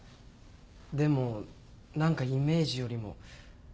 でも何かイメージよりも。